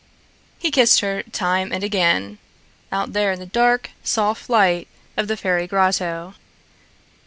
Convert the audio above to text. He kissed her time and again, out there in the dark, soft light of the fairy grotto.